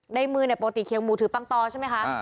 ในมือปกติเคียงหมูถือปังตอใช่ไหมคะ